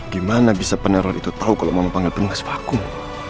gimana bisa peneror itu tau kalau mau panggil pengas vakum